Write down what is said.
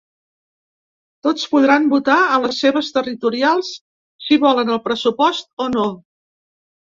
Tots podran votar a les seves territorials si volen el pressupost o no.